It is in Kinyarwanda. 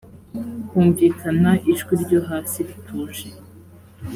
humvikana ijwi ryo hasi rituje